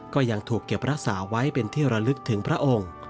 ก็ยังถูกเก็บรักษาไว้เป็นที่ระลึกถึงพระองค์